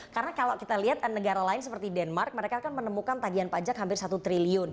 karena kalau kita lihat negara lain seperti denmark mereka kan menemukan tagihan pajak hampir satu triliun